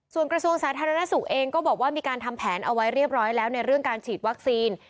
ส่วนกระทรวงสาธารณสุขเองก็บอกว่ามีการทำแผนเอาไว้เรียบร้อยแล้วในเรื่องการฉีดวัคซีน